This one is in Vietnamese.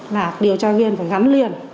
là điều tra viên phải gắn liền